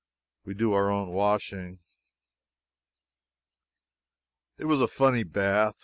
We do our own washing. It was a funny bath.